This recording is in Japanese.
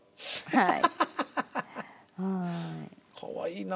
はい。